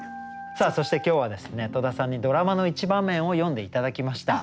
さあそして今日は戸田さんにドラマの一場面を詠んで頂きました。